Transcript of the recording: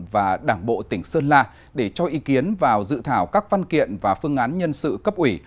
và đảng bộ tỉnh sơn la để cho ý kiến vào dự thảo các văn kiện và phương án nhân sự cấp ủy